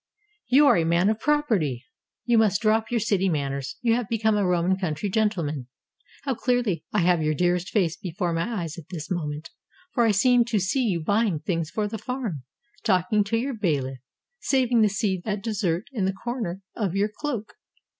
You are a man of property! You must drop your city manners: you have become a Roman country gentleman. How clearly I have your dearest face before my eyes at this moment! For I seem to see you buying things for the farm, talking to your bailiff, saving the seeds at dessert in the corner of your cloak.